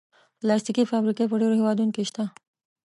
پلاستيکي فابریکې په ډېرو هېوادونو کې شته.